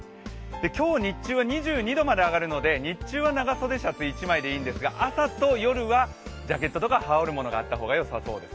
今日、日中は２２度まで上がるので日中は長袖シャツ１枚でいいんですが朝と夜はジャケットとか羽織る物があった方がよさそうです。